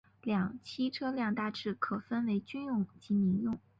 两栖车辆大致上可分为军用及民用。